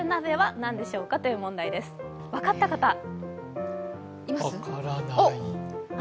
分かった方います？